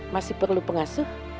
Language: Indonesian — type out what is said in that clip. masih perlu pengasuh